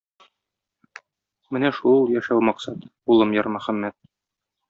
Менә шул ул яшәү максаты, улым Ярмөхәммәт.